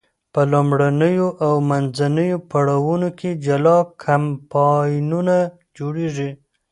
په لومړنیو او منځنیو پړاوونو کې جلا کمپاینونه جوړیږي.